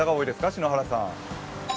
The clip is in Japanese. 篠原さん。